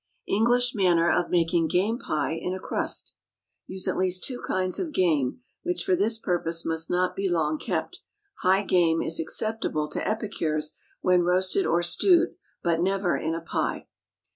English Manner of Making Game Pie in a Crust. Use at least two kinds of game, which for this purpose must not be long kept; high game is acceptable to epicures when roasted or stewed, but never in a pie.